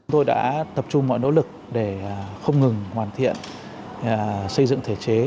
tôi đã tập trung mọi nỗ lực để không ngừng hoàn thiện xây dựng thể chế